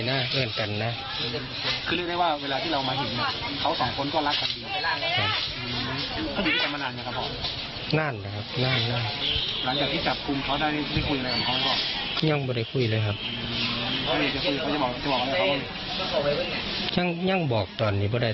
แล้วคุยกับลูกชายก็ได้